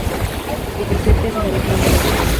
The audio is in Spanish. El presidente es además miembro del parlamento